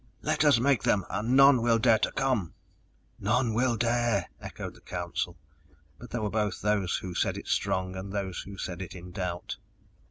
Let us make them, and none will dare to come!" "None will dare!" echoed the Council. But there were both those who said it strong, and those who said in doubt.